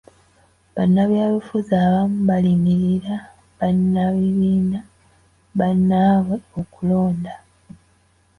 Bannabyabufuzi abamu balimirira bannabibiina bannaabwe mu kulonda.